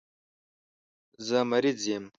زه مریض یم.